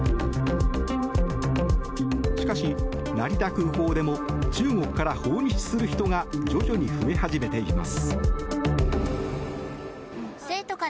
しかし、成田空港でも中国から訪日する人が徐々に増え始めています。